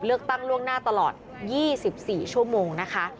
เลือกตั้งล่วงหน้าตลอด๒๔ชั่วโมงนะคะ